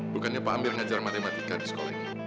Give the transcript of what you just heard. bukannya pak amir ngajar matematika di sekolah ini